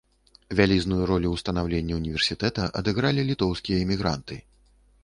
Вялізную ролю ў станаўленні ўніверсітэта адыгралі літоўскія эмігранты.